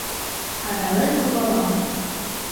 арален кувавам: